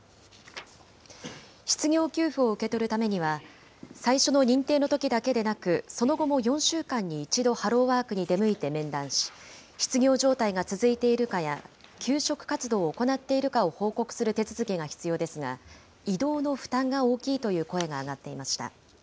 失業給付を受け取るためには、最初の認定のときだけでなく、その後も４週間に１度、ハローワークに出向いて面談し、失業状態が続いているかや、求職活動を行っているかを報告する手続きが必要ですが、移動の負担が大きいという声が上がっていました。